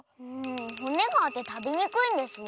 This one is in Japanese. ほねがあってたべにくいんですわ。